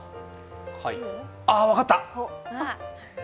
ああ、分かった！